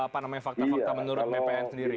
fakta fakta menurut bpn sendiri